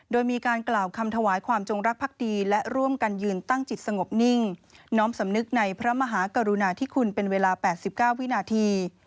โดยมีการกล่าวคำถวายความจงรักภักดีและร่วมกันยืนตั้งจิตสงบนิ่งน้อมสำนึกในพระมหากรุณาธิคุณเป็นเวลา๘๙วินาที